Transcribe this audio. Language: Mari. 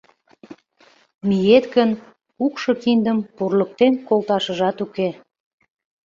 Миет гын, кукшо киндым пурлыктен колташыжат уке.